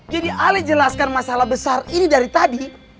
jadi alih jelaskan masalah besar ini dari tadi